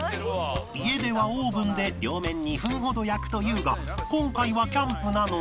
家ではオーブンで両面２分ほど焼くというが今回はキャンプなので